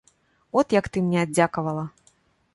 От як ты мне аддзякавала.